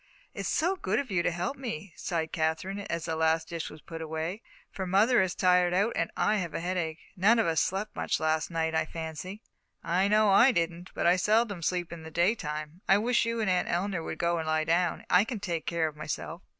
"It's so good of you to help me," sighed Katherine, as the last dish was put away; "for mother is tired out, and I have a headache. None of us slept much last night, I fancy." "I know I didn't, but I seldom sleep in the daytime. I wish you and Aunt Eleanor would go and lie down. I can take care of myself."